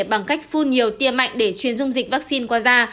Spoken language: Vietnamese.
bằng cách phun nhiều tiêm mạnh để chuyển dung dịch vaccine qua da